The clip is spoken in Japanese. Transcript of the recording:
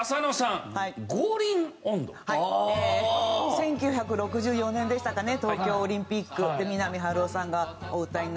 １９６４年でしたかね東京オリンピックで三波春夫さんがお歌いになられた。